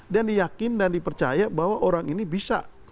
dan diyakin dan dipercaya bahwa orang ini bisa